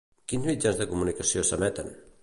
Quins mitjans de comunicació s'esmenten?